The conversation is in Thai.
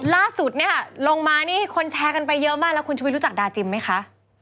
ล่าสุดเนี่ยลงมานี่คนแชร์กันไปเยอะมากแล้วคุณชุวิตรู้จักดาจิมไหมคะ